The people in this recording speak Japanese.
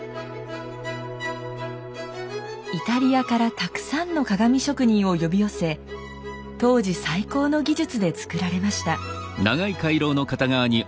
イタリアからたくさんの鏡職人を呼び寄せ当時最高の技術で作られました。